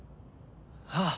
ああ。